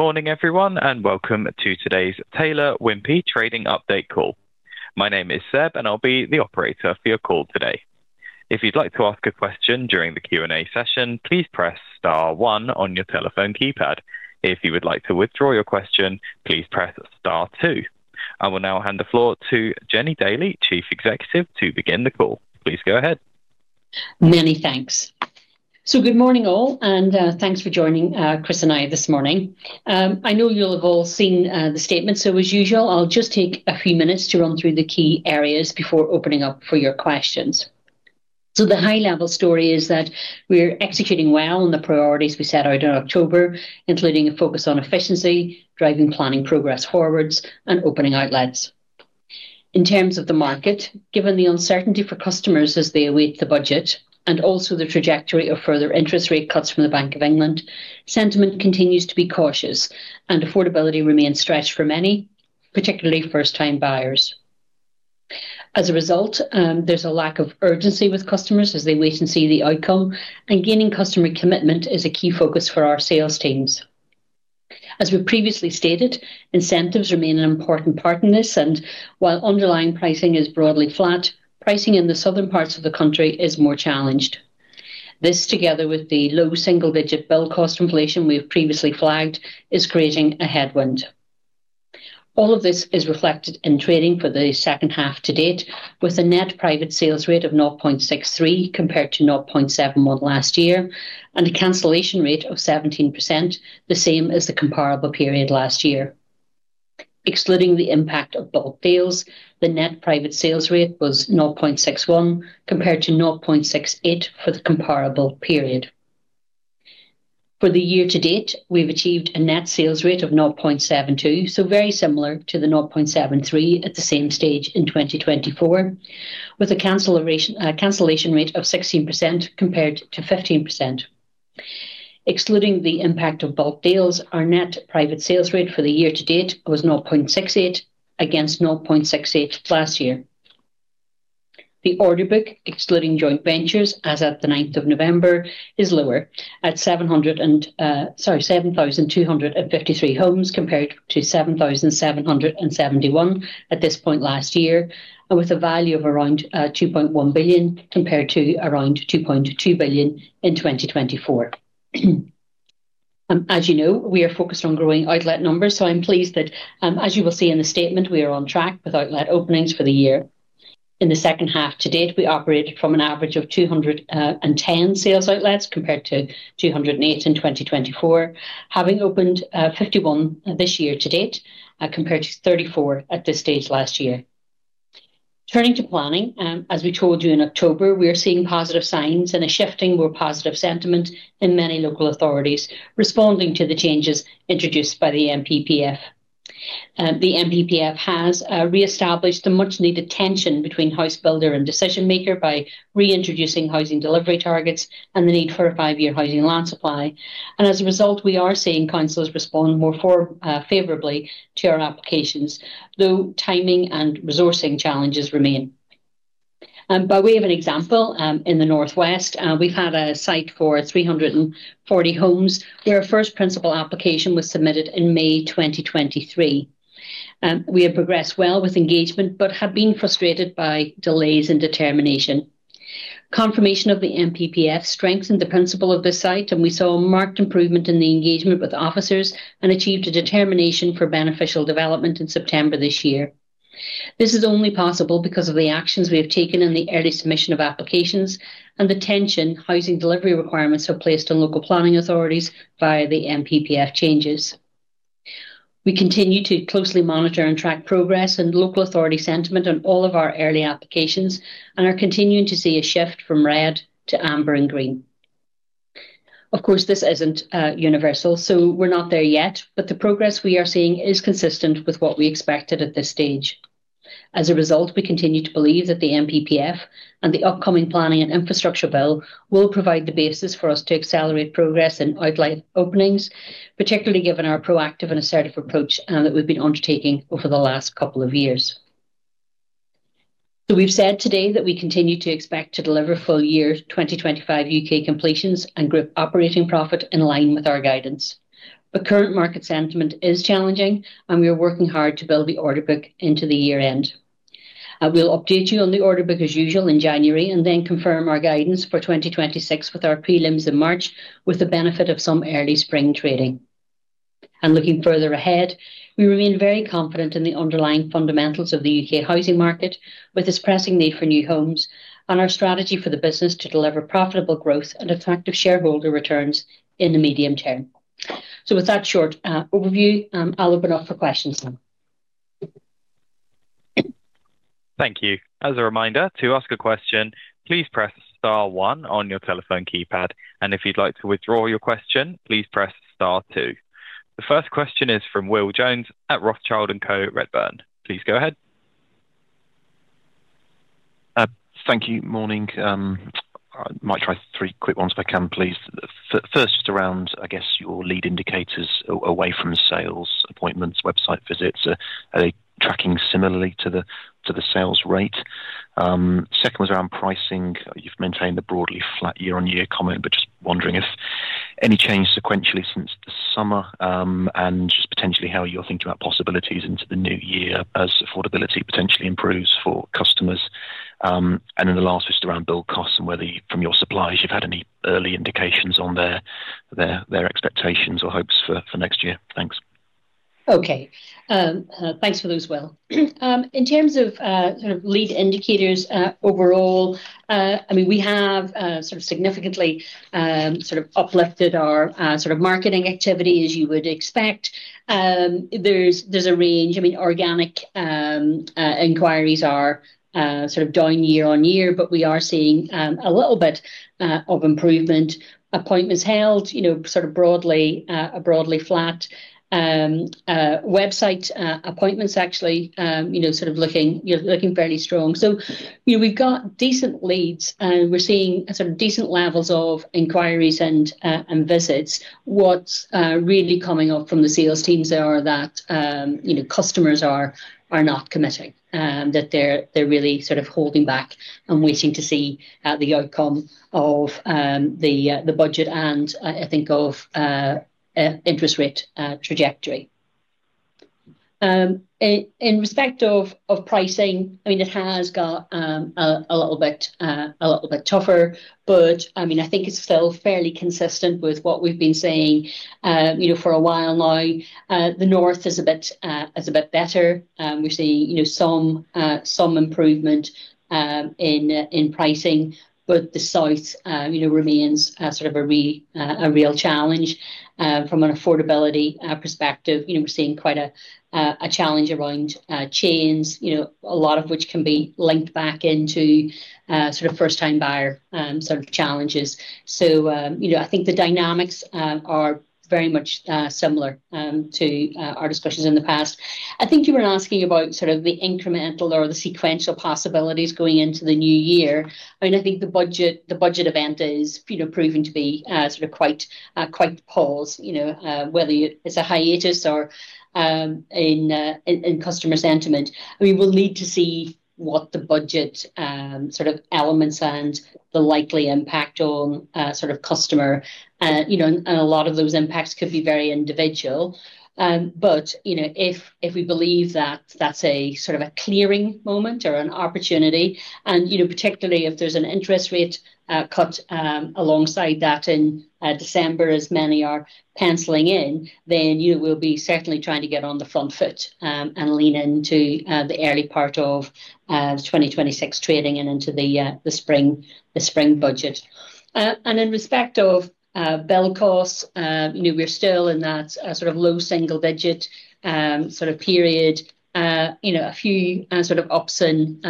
Morning everyone and welcome to today's Taylor Wimpey trading update call. My name is Seb and I'll be the operator for your call today. If you'd like to ask a question during the Q&A session, please press star one on your telephone keypad. If you would like to withdraw your question, please press star two. I will now hand the floor to Jennie Daly, Chief Executive, to begin the call. Please go ahead. Many thanks. Good morning all and thanks for joining Chris and I this morning. I know you'll have all seen the statement, so as usual I'll just take a few minutes to run through the key areas before opening up for your questions. The high level story is that we're executing well on the priorities we set out in October, including a focus on efficiency, driving planning, progress forwards and opening outlets. In terms of the market, given the uncertainty for customers as they await the budget and also the trajectory of further interest rate cuts from the Bank of England, sentiment continues to be cautious and affordability remains stretched for many, particularly first time buyers. As a result, there's a lack of urgency with customers as they wait and see the outcome and gaining customer commitment is a key focus for our sales teams. As we previously stated, incentives remain an important part in this and while underlying pricing is broadly flat, pricing in the southern parts of the country is more challenged. This, together with the low single-digit build cost inflation we have previously flagged, is creating a headwind. All of this is reflected in trading for the second half to date with a net private sales rate of 0.63 compared to 0.71 last year and a cancellation rate of 17%, the same as the comparable period last year. Excluding the impact of bulk deals, the net private sales rate was 0.61 compared to 0.68 for the comparable period. For the year to date, we've achieved a net sales rate of 0.72, so very similar to the 0.73 at the same stage in 2024, with a cancellation rate of 16% compared to 15%. Excluding the impact of bulk deals, our net private sales rate for the year to date was 0.68 against 0.68 last year. The order book excluding joint ventures as at 9 November is lower at 7,253 homes compared to 7,771 at this point last year and with a value of around 2.1 billion compared to around 2.2 billion in 2024. As you know, we are focused on growing outlet numbers, so I'm pleased that as you will see in the statement, we are on track with outlet openings for the year in the second half. To date we operated from an average of 210 sales outlets compared to 208 in 2024, having opened 51 this year to date compared to 34 at this stage last year. Turning to planning, as we told you in October, we are seeing positive signs and a shifting more positive sentiment in many local authorities responding to the changes introduced by the NPPF. The NPPF has re-established the much needed tension between house builder and decision maker by reintroducing housing delivery targets and the need for a five year housing land supply and as a result we are seeing councils respond more favorably to our applications, though timing and resourcing challenges remain. By way of an example, in the Northwest we have had a site for 340 homes where a first principal application was submitted in May 2023. We have progressed well with engagement but have been frustrated by delays in determination. Confirmation of the NPPF strengthened the principle of the site and we saw a marked improvement in the engagement with officers and achieved a determination for beneficial development in September this year. This is only possible because of the actions we have taken in the early submission of applications and the tension housing delivery requirements are placed on local planning authorities via the NPPF. Changes we continue to closely monitor and track progress and local authority sentiment on all of our early applications and are continuing to see a shift from red to amber and green. Of course this isn't universal, so we're not there yet, but the progress we are seeing is consistent with what we expected at this stage. As a result, we continue to believe that the NPPF and the upcoming Planning and Infrastructure Bill will provide the basis for us to accelerate progress in outlet openings, particularly given our proactive and assertive approach that we've been undertaking over the last couple of years. We have said today that we continue to expect to deliver full year 2025 U.K. completions and group operating profit in line with our guidance. Current market sentiment is challenging and we are working hard to build the order book into the year end. We will update you on the order book as usual in January and then confirm our guidance for 2026 with our prelims in March. With the benefit of some early spring trading and looking further ahead, we remain very confident in the underlying fundamentals of the U.K. housing market with this pressing need for new homes and our strategy for the business to deliver profitable growth and attractive shareholder returns in the medium term. With that short overview, I'll open up for questions. Thank you. As a reminder to ask a question, please press star one on your telephone keypad, and if you'd like to withdraw your question, please press star two. The first question is from Will Jones at Rothschild & Co Redburn. Please go ahead. Thank you. Morning. I might try three quick ones if I can please. First, around, I guess your lead indicators away from sales appointments, website visits, are they tracking similarly to the sales rate? Second was around pricing. You've maintained a broadly flat year on year comment, but just wondering if any change sequentially since the summer and just potentially how you're thinking about possibilities into the new year as affordability potentially improves for customers. In the last, just around build costs and whether from your suppliers you've had any early indications on their expectations or hopes for next year. Thanks. Okay, thanks for those, Will. In terms of lead indicators overall, I mean we have sort of significantly uplifted our sort of marketing activity as you would expect. There's a range. I mean organic inquiries are down year on year but we are seeing a little bit of improvement. Appointments held, you know, are broadly flat. Website appointments actually, you know, are looking fairly strong. You know, we've got decent leads, we're seeing some decent levels of inquiries and visits. What's really coming up from the sales teams are that customers are not committing, that they're really holding back and waiting to see the outcome of the budget and, I think, of interest rate trajectory in respect of pricing. I mean it has got a little bit, a little bit tougher but I mean I think it's still fairly consistent with what we've been saying, you know for a. The north is a bit better, we're seeing some improvement in pricing but the south remains sort of a real challenge from an affordability perspective. We're seeing quite a challenge around chains, a lot of which can be linked back into sort of first time buyer sort of challenges. I think the dynamics are very much similar to our discussions in the past. I think you were asking about sort of the incremental or the sequential possibilities going into the new year. I mean I think the budget, the budget event is proving to be sort of quite, quite pause. You know, whether it is a hiatus or in customer sentiment, we will need to see what the budget sort of elements and the likely impact on sort of customer. You know, a lot of those impacts could be very individual. You know, if we believe that is a sort of a clearing moment or an opportunity. You know, particularly if there is an interest rate cut alongside that in December, as many are penciling in, then you will be certainly trying to get on the front foot and lean into the early part of 2026 trading and into the spring, the spring budget. In respect of build costs, you know, we're still in that sort of low single-digit sort of period, you know, a few sort of ups and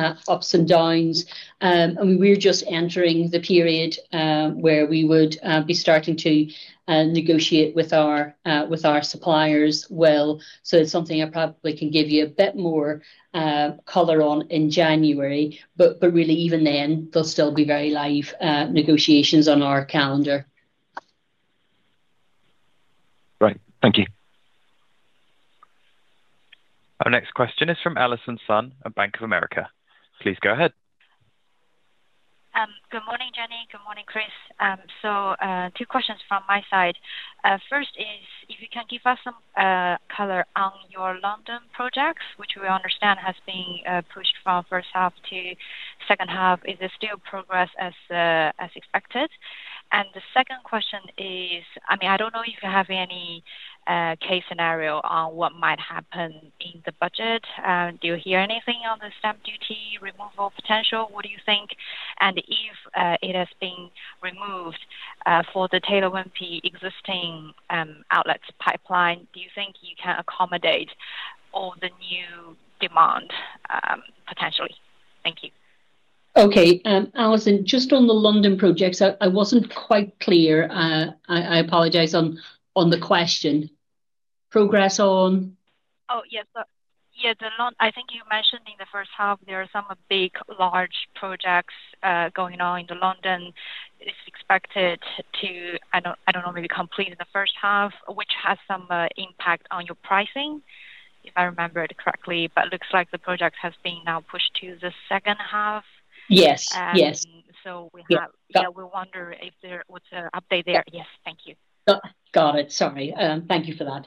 downs and we're just entering the period where we would be starting to negotiate with our suppliers. It's something I probably can give you a bit more color on in January, but really even then there'll still be very live negotiations on our calendar. Right, thank you. Our next question is from Allison Sun of Bank of America. Please go ahead. Good morning, Jennie. Good morning, Chris. Two questions from my side. First is if you can give us some color on your London projects which we understand have been pushed from first half to second half. Is there still progress as expected? The second question is, I mean, I do not know if you have any case scenario on what might happen in the budget. Do you hear anything on the stamp duty removal potential? What do you think? If it has been removed for the Taylor Wimpey existing outlets pipeline, do you think you can accommodate all the new demand potentially? Thank you. Okay, Allison, just on the London projects, I wasn't quite clear, I apologize on the question. Progress on. Oh yes, I think you mentioned in the first half there are some big, large projects going on in London. It is expected to, I do not know, maybe complete in the first half, which has some impact on your pricing, if I remember it correctly. Looks like the project has been now pushed to the second half. Yes. We wonder if there was an update there. Yes, thank you. Got it. Sorry. Thank you for that.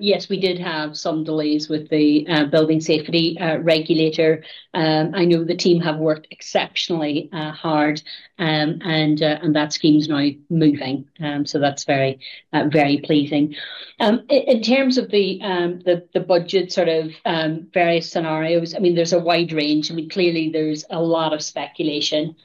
Yes, we did have some delays with the building safety regulator. I know the team have worked exceptionally hard and that scheme is now moving. That is very, very pleasing in terms of the budget, sort of various scenarios. I mean there is a wide range. Clearly there is a lot of speculation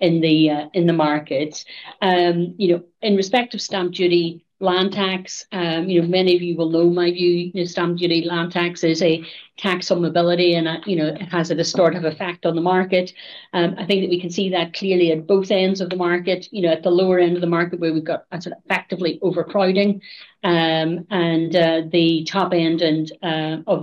in the markets, you know, in respect of stamp duty land tax. Many of you will know my view. Stamp duty land tax is a tax on mobility and, you know, it has a distortive effect on the market. I think that we can see that clearly at both ends of the market. You know, at the lower end of the market where we've got actively overcrowding and the top end of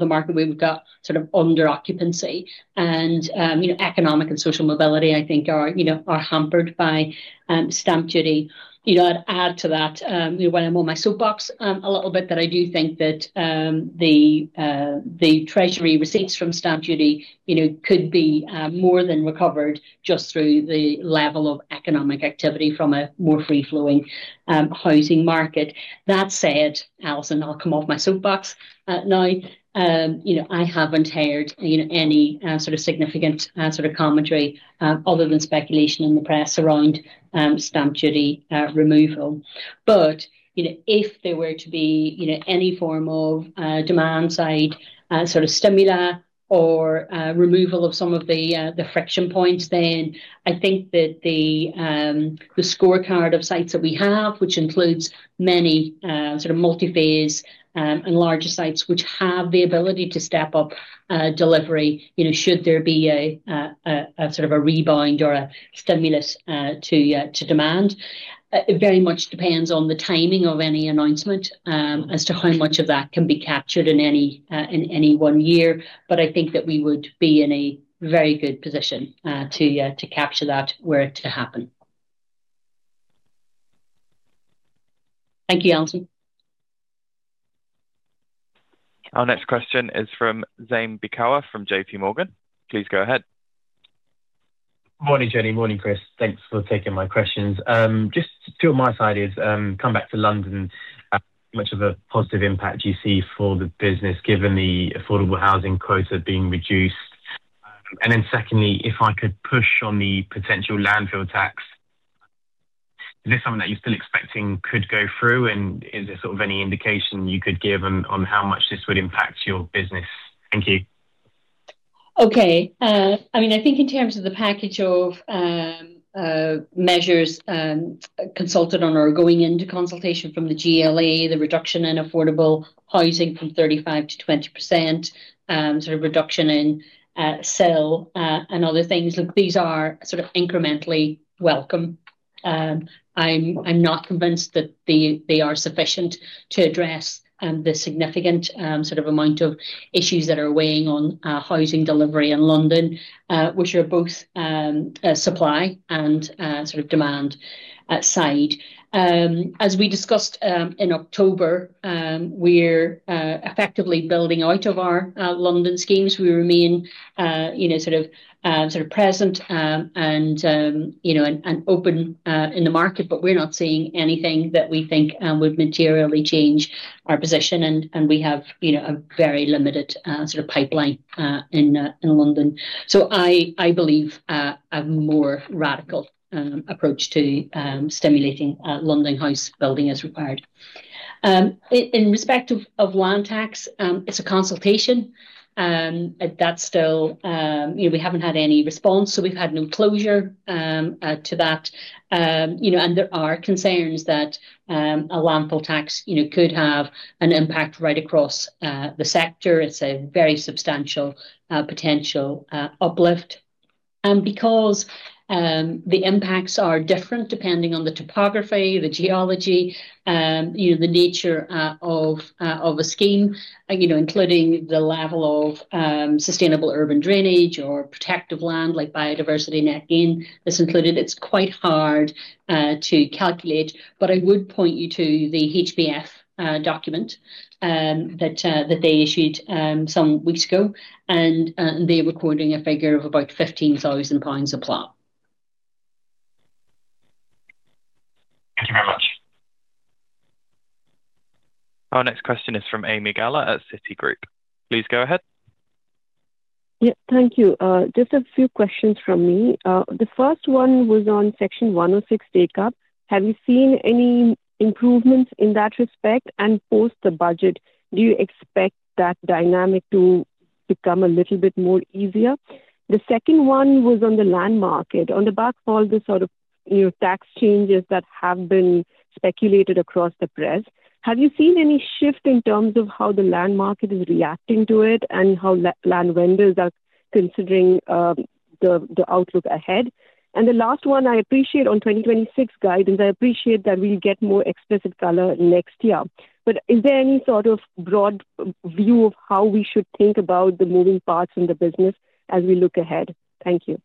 the market we've got sort of on the under occupancy and, you know, economic and social mobility I think are, you know, are hampered by stamp duty. You know, I'd add to that when I'm on my soapbox a little bit that I do think that the treasury receipts from stamp duty, you know, could be more than recovered just through the level of economic activity from a more free flowing housing market. That said, Alison, I'll come off my soapbox now. You know, I haven't heard any sort of commentary other than speculation in the press around stamp duty removal. You know, if there were to be, you know, any form of demand side sort of stimuli or removal of some of the friction points, then I think that the scorecard of sites that we have, which includes many sort of multi phase and larger sites which have the ability to step up delivery, you know, should there be a sort of a rebind or a stimulus to demand. It very much depends on the timing of any announcement as to how much of that can be captured in any one year. I think that we would be in a very good position to capture that were it to happen. Thank you, Allison. Our next question is from Zaim Beekawa from JPMorgan, please go ahead. Morning Jennie. Morning Chris. Thanks for taking my questions. Just two on my side. I come back to London, how much of a positive impact you see for the business given the affordable housing quota being reduced? And then secondly, if I could push on the potential landfill tax, is this something that you're still expecting could go through and is there sort of any indication you could give on how much this would impact your business? Thank you. Okay. I mean I think in terms of the package of measures consulted on or going into consultation from the GLA, the reduction in affordable housing from 35%-20%, sort of reduction in SIL and other things. Look, these are sort of incrementally welcome. I'm not convinced that they are sufficient to address the significant sort of amount of issues that are weighing on housing delivery in London, which are both supply and sort of demand side. As we discussed in October, we're effectively building out of our London schemes. We remain, you know, sort of present and, you know, open in the market. I'm not seeing anything that we think would materially change our position, and we have, you know, very limited sort of pipeline in London. I believe a more radical approach to stimulating London house building is required in respect of land tax. It's a consultation that's still, you know, we haven't had any response, so we've had no closure to that, you know, and there are concerns that a landfill tax, you know, could have an impact right across the sector. It's a very substantial potential uplift and because the impacts are different depending on the topography, the geology, you know, the nature of a scheme, you know, including the level of sustainable urban drainage or protective land like biodiversity net gain, this included, it's quite hard to calculate. I would point you to the HBF document that they issued some weeks ago and they are recording a figure of about 15,000 pounds a plot. Thank you very much. Our next question is from Ami Galla at Citigroup. Please go ahead. Yeah, thank you. Just a few questions from me. The first one was on Section 106. Have you seen any improvements in that respect? Post the budget, do you expect that dynamic to become a little bit more easier? The second one was on the land market. On the back of all the sort of tax changes that have been speculated across the press, have you seen any shift in terms of how the land market is reacting to it and how land vendors are considering the outlook ahead? The last one, I appreciate on 2026 guidance, I appreciate that we get more explicit color next year, but is there any sort of broad view of how we should think about the moving parts in the business as we look ahead? Thank you.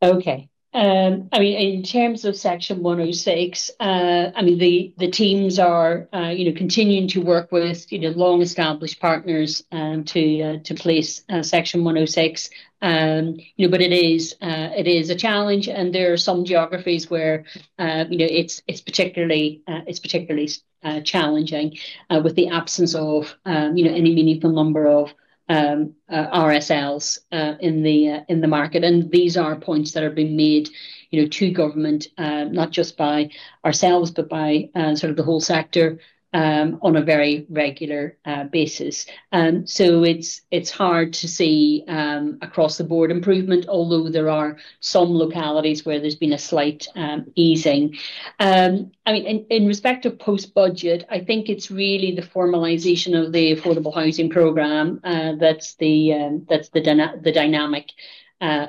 Okay. I mean in terms of Section 106, I mean the teams are continuing to work with long established partners to place Section 106. But it is a challenge and there are some geographies where it's particularly challenging with the absence of, you know, any meaningful number of RSLs in the market. And these are points that are being made, you know, to government not just by ourselves, but by sort of the whole sector on a very regular basis. It's hard to see across the board improvement. Although there are some localities where there's been a slight easing. I mean in respect to post budget, I think it's really the formal normalization of the affordable housing program. That's the dynamic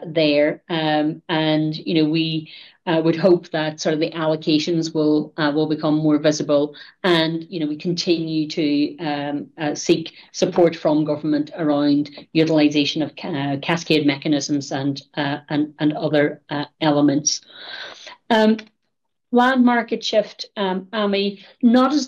there. You know, we would hope that sort of the allocations will become more visible and you know, we continue to seek support from government around utilization of cascade mechanisms and other elements. Land market shift, Ami, not as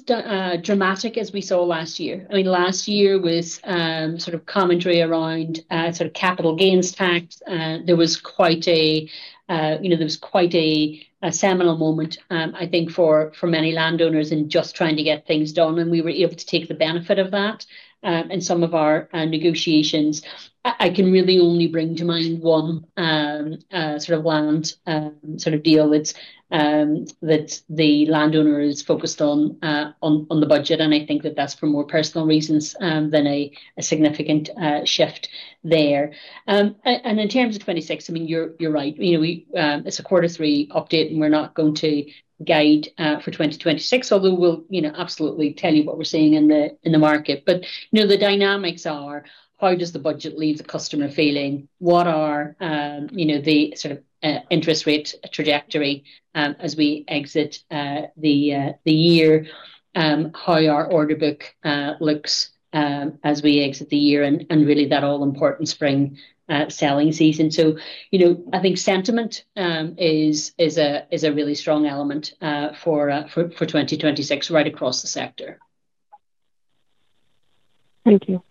dramatic as we saw last year. I mean, last year was sort of commentary around sort of capital gains tax. There was quite a, you know, there was quite a seminal moment, I think, for many landowners and just trying to get things done and we were able to take the benefit of that in some of our negotiations. I can really only bring to mind one sort of land sort of deal, that's that the landowner is focused on the budget and I think that that's for more personal reasons than a significant there. In terms of 2026, I mean, you're right, you know, we, it's a quarter three update and we're not going to guide for 2026, although we'll, you know, absolutely tell you what we're seeing in the market. You know, the dynamics are how does the budget leave the customer feeling, what are, you know, the sort of interest rate trajectory as we exit the year, how our order book looks as we exit the year, and really that all-important spring selling season. You know, I think sentiment is a really strong element for 2026 right across the sector. Thank you.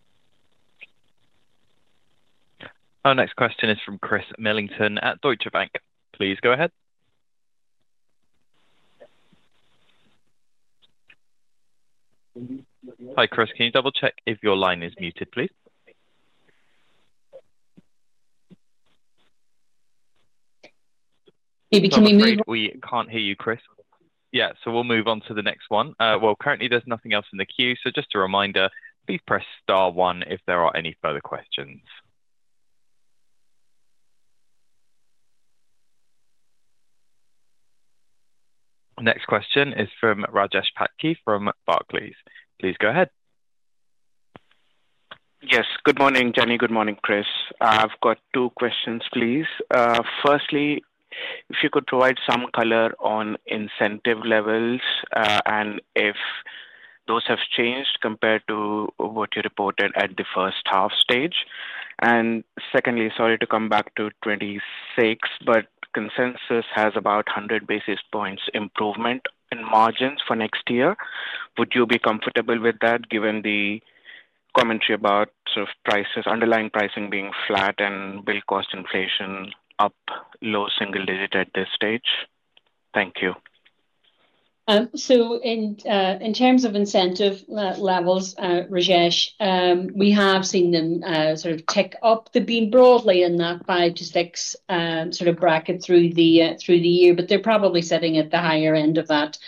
Our next question is from Chris Millington at Deutsche Bank. Please go. Hi, Chris, can you double check if your line is muted, please? We can't hear you, Chris. Yeah, we'll move on to the next one. Currently there's nothing else in the queue, so just a reminder, please press Star one if there are any further questions. Next question is from Rajesh Patki from Barclays. Please go ahead. Yes, good morning, Jennie. Good morning, Chris. I've got two questions, please. Firstly, if you could provide some color on incentive levels and if those have changed compared to what you reported at the first half stage. Secondly, sorry to come back to 2026, but consensus has about 100 basis points improvement in margins for next year. Would you be comfortable with that, given the commentary about underlying pricing being flat and build cost inflation up low single digit at this stage. Thank you. In terms of incentive levels, Rajesh, we have seen them sort of tick up, they have been broadly in that 5%-6% sort of bracket through the year, but they're probably sitting at the higher end of that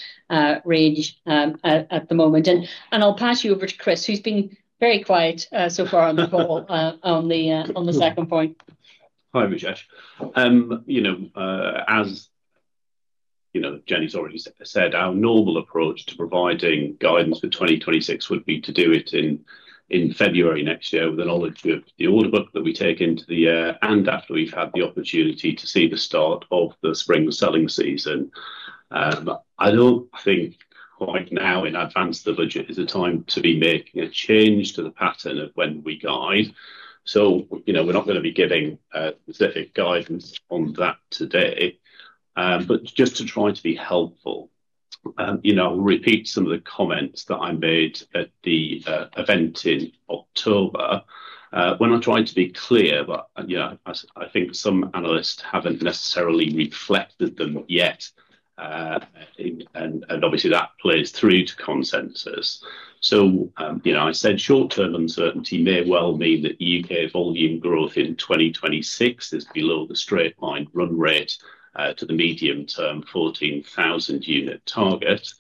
range at the moment. I'll pass you over to Chris, who's been very quiet so far on the call on the second point. Hi, Rajesh. You know, as you know, Jennie's already said our normal approach to providing guidance for 2026 would be to do it in February next year with the knowledge of the order book that we take into the year and after we've had the opportunity to see the start of the spring selling season. I don't think right now in advance of the budget is a time to be making a change to the pattern of when we guide. You know, we're not going to be giving specific guidance on that today, but just to try to be helpful, you know, I'll repeat some of the comments that I made at the event in October when I tried to be clear. I think some analysts haven't necessarily reflected them yet and obviously that plays through to consensus. You know I said short term uncertainty may well mean that U.K. volume growth in 2026 is below the straight line run rate to the medium term 14,000 unit target.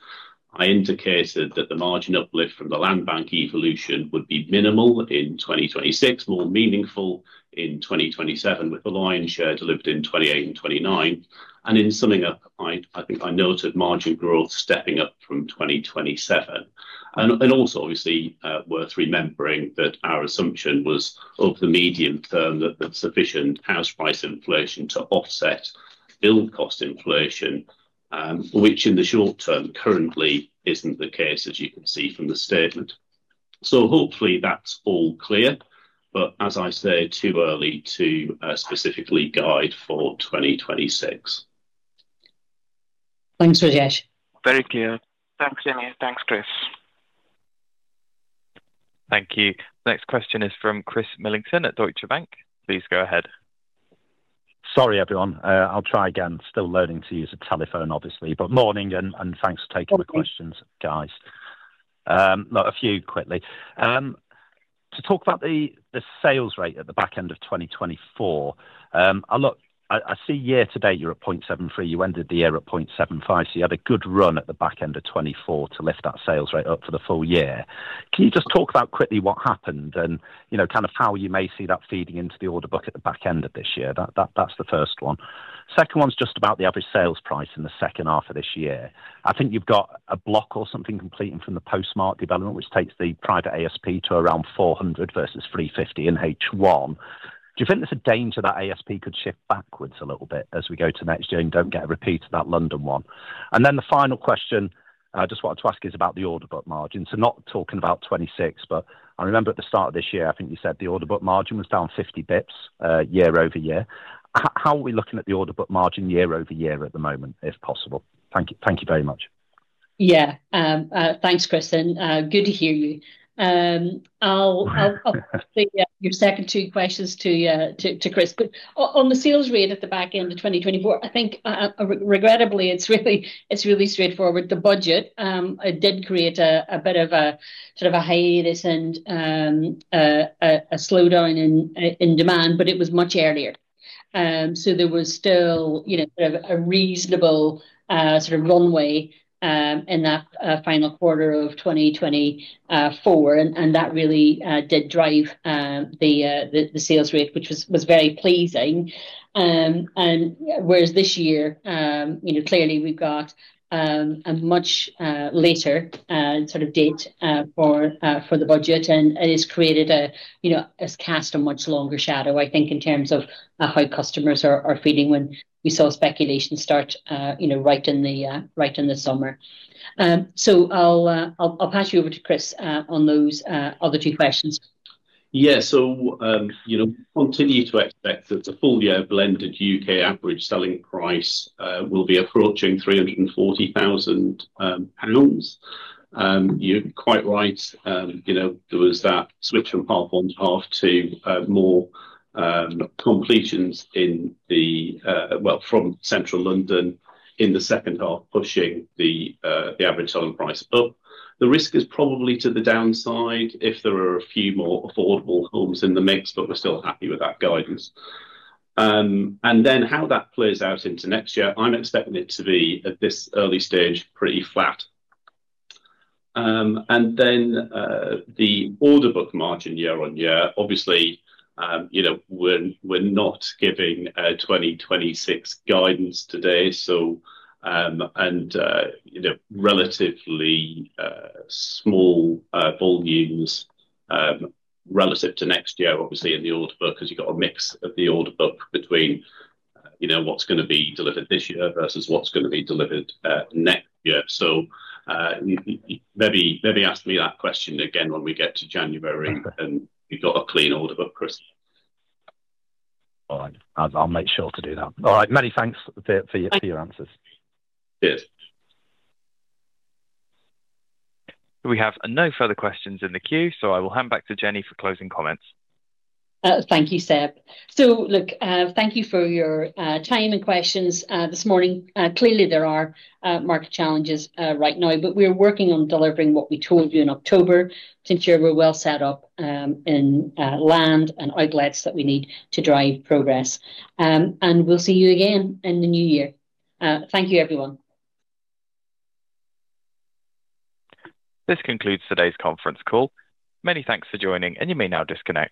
I indicated that the margin uplift from the land bank evolution would be minimal in 2026, more meaningful in 2027 with the lion's share delivered in 2028 and 2029. In summing up, I think I noted margin growth stepping up from 2027 and also obviously worth remembering that our assumption was of the medium term that sufficient house price inflation to offset build cost inflation which in the short term currently is not the case as you can see from the statement. Hopefully that is all clear. As I said, too early to specifically guide for 2026. Thanks Rajesh. Very clear. Thanks Jennie. Thanks Chris. Thank you. Next question is from Chris Millington at Deutsche Bank. Please go ahead. Sorry everyone, I'll try again. Still learning to use a telephone obviously, but morning and thanks for taking the questions. Guys, a few quickly to talk about the sales rate at the back end of 2024. I'll at, look, I see year to date you're at 0.73. You ended the year at 0.75, so you had a good run at the back end of 2024 to lift that sales rate up for the full year. Can you just talk about quickly what happened and kind of how you may see that feeding into the order book at the back end of this year? That's the first one. Second one's just about the average sales price in the second half of this year. I think you've got a block or something completing from the Postmark development which takes the private ASP to around 400,000 versus 350,000 in H1. Do you think there's a danger that ASP could start to shift backwards a little bit as we go to next year and don't get a repeat of that London one? The final question I just wanted to ask is about the order book margin. Not talking about 2026 but I remember at the start of this year I think you said the order book margin was down 50 basis points year over year. How are we looking at the order book margin year over year at the moment, if possible? Thank you very much. Yeah, thanks, Chris. Good to hear you. Your second two questions to Chris. On the sales rate at the back end of 2020, think, regrettably, it's really straightforward. The budget did create a bit of a sort of a hiatus and a slowdown in demand, but it was much earlier, so there was still, you know, a reasonable sort of runway in that final quarter of 2024 and that really did drive the sales rate, which was very pleasing. Whereas this year, you know, clearly we've got a much later sort of date for the budget and it's created, you know, has cast a much longer shadow, I think, in terms of how customers are feeling when we saw speculation start, you know, right in the summer. I'll pass you over to Chris on those other two questions. Yeah. So, you know, continue to expect that the full year blended U.K. average selling price will be approaching 340,000 pounds. You're quite right. You know, there was that switch from half on half to more completions in the, from central London in the second half, pushing the average selling price up. The risk is probably to the downside if there are a few more affordable homes in the mix, but we're still happy with that guidance and then how that plays out into next year. I'm expecting it to be at this early stage, pretty flat, that and then the order book margin year on year. Obviously, you know, we're not giving 2026 guidance today. You know, relatively small volumes relative to next year, obviously in the order book because you've got a mix of the order book between, you know, what's going to be delivered this year versus what's going to be delivered next year. Maybe ask me that question again when we get to January and we've got a clean order book. I'll make sure to do that. All right, many thanks for your answers. We have no further questions in the queue, so I will hand back to Jennie for closing comments. Thank you, Seb. Thank you for your time and questions this morning. Clearly there are market challenges right now, but we're working on delivering what we told you in October to ensure we're well set up in land and outlets that we need to drive progress. We'll see you again in the new year. Thank you, everyone. This concludes today's conference call. Many thanks for joining. You may now disconnect.